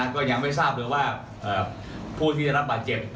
ก็ยังไม่ทราบเลยว่าผู้ที่ได้รับบาดเจ็บ